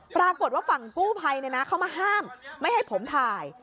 ปรากฏว่าฝั่งกู้ภัยเข้ามาห้ามไม่ให้ผมถ่าย